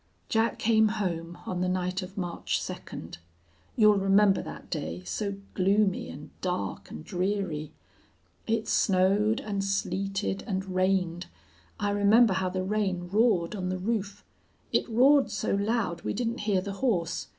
"Jack came home on the night of March second. You'll remember that day, so gloomy and dark and dreary. It snowed and sleeted and rained. I remember how the rain roared on the roof. It roared so loud we didn't hear the horse.